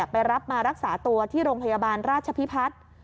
ไปรับมารักษาตัวที่โรงพยาบาลราชพิพัฒน์